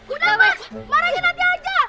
udah bos marahnya nanti aja